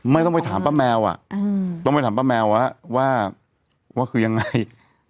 ไม่ต้องไปถามป้าแมวต้องไปถามป้าแมวว่าคือยังไง